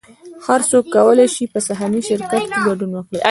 هر څوک کولی شي په سهامي شرکت کې ګډون وکړي